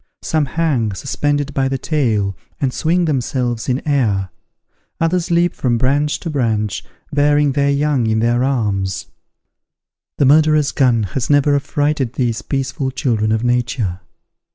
Some hang, suspended by the tail, and swing themselves in air; others leap from branch to branch, bearing their young in their arms. The murderous gun has never affrighted these peaceful children of nature.